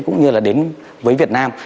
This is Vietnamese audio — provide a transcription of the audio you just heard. cũng như là đến với việt nam